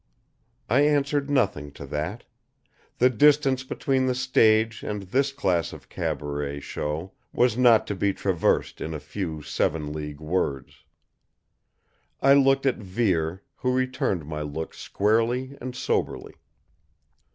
I answered nothing to that. The distance between the stage and this class of cabaret show was not to be traversed in a few seven league words. I looked at Vere, who returned my look squarely and soberly.